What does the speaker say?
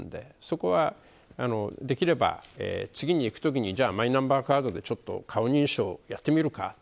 そこはできれば、次に行くときにマイナンバーカードで顔認証やってみるか。